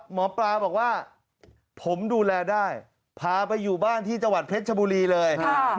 หมอปลาบอกว่าผมดูแลได้พาไปอยู่บ้านที่จังหวัดเพชรชบุรีเลย